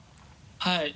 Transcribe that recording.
はい。